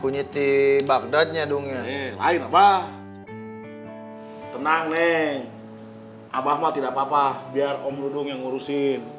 kunyit di bagdadnya dunia hai pak tenang neng abahma tidak papa biar om rudung yang ngurusin